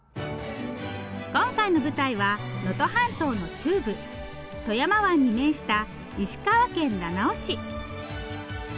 今回の舞台は能登半島の中部富山湾に面した石川県七尾市。